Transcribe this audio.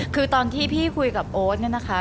คือตอนที่พี่คุยกับโอ๊ตเนี่ยนะคะ